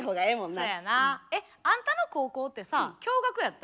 そやな。あんたの高校ってさ共学やった？